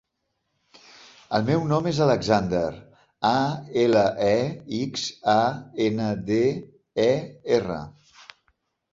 El meu nom és Alexander: a, ela, e, ics, a, ena, de, e, erra.